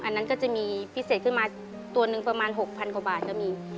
อันนั้นก็จะมีพิเศษขึ้นมาตัวหนึ่งประมาณ๖๐๐กว่าบาทก็มี